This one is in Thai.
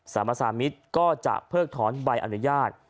สามสามิตรก็จะเพิกถอนใบอนุญาต